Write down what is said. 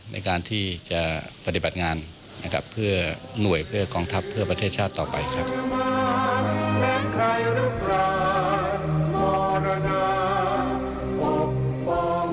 ในการที่จะปฏิบัติงานนะครับเพื่อหน่วยเพื่อกองทัพเพื่อประเทศชาติต่อไปครับ